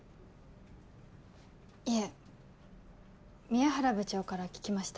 いえ宮原部長から聞きました。